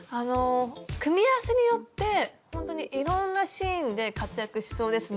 組み合わせによってほんとにいろんなシーンで活躍しそうですね。